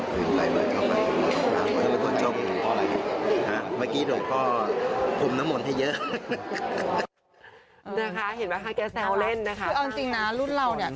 เบาะก่อนคำหน้า